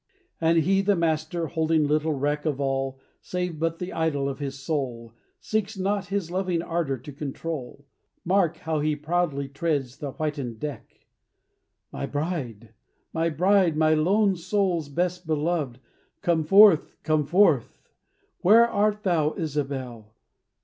And he, the master, holding little reck Of all, save but the idol of his soul, Seeks not his loving ardour to control. Mark how he proudly treads the whitened deck! "My bride, my bride, my lone soul's best beloved, Come forth, come forth! Where art thou, Isobel?